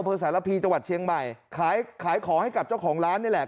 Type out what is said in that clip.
สารพีจังหวัดเชียงใหม่ขายขายของให้กับเจ้าของร้านนี่แหละ